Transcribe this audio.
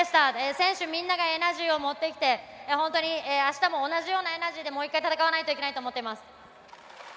選手みんながエナジーを持ってきて本当にあしたも同じようなエナジーでもう１回戦わないといけないと思っています。